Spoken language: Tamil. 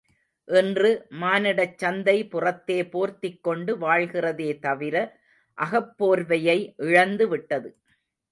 இன்று, மானிடச் சந்தை புறத்தே போர்த்திக்கொண்டு வாழ்கிறதே தவிர, அகப்போர்வையை இழந்துவிட்டது.